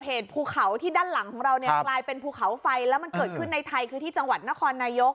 ภูเขาที่ด้านหลังของเราเนี่ยกลายเป็นภูเขาไฟแล้วมันเกิดขึ้นในไทยคือที่จังหวัดนครนายก